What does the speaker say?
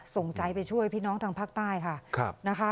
ส่งใจไปช่วยพี่น้องทางภาคใต้ค่ะนะคะ